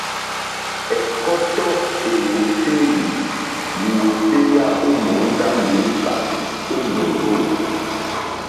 Ɛ̀kɔ́tɔ́ èwòtélì lìwòtéyá ó mòóndá lùúkà ó mòrzô.